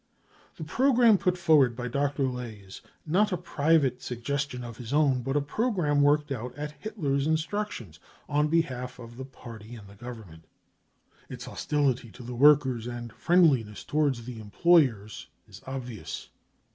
The programme put forward by Dr. Ley is not a private suggestion of his own, but a programme worked out at Hitler's instructions, on behalf of the party and the Govern ment. Its hostility to the workers and friendliness towards the employers is obvious.